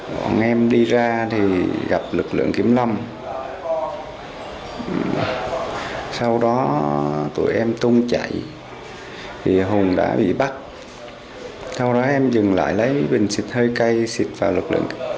chúng tôi đi ra gặp lực lượng kiểm lâm sau đó chúng tôi tung chạy hùng đã bị bắt sau đó chúng tôi dừng lại lấy bình xịt hơi cay xịt vào lực lượng